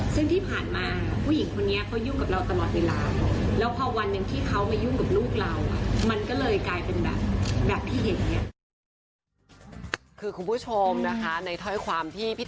ซึ่งที่ผ่านมาผู้หญิงคนนี้เขายุ่งกับเราตลอดเวลา